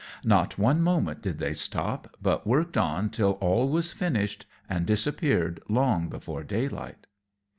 Not one moment did they stop, but worked on till all was finished, and disappeared long before daylight.